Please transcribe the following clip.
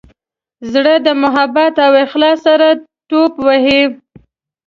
زړه د محبت او اخلاص سره ټوپ وهي.